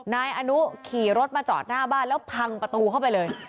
นายอนุขี่รถมาจอดหน้าบ้านแล้วพังประตูเข้าไปเลย